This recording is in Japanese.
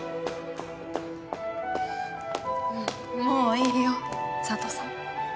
もういいよ佐都さん。